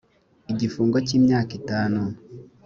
igifungo cy’ imyaka itanu